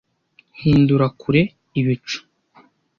Hindura kure. Ibicu